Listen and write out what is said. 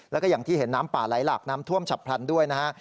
แล้วก็อย่างที่เห็นน้ำป่าไหลหลากน้ำท่วมฉับพลันด้วยนะฮะ